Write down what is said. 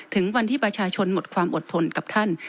ถึงวันที่ประชาชนหมดความอดทนกับท่าน